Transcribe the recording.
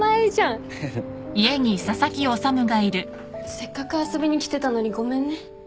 せっかく遊びに来てたのにごめんね。